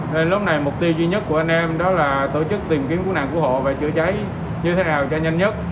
thế lúc này mục tiêu duy nhất của anh em đó là tổ chức tìm kiếm cứu nạn cứu hộ và chữa cháy như thế nào cho nhanh nhất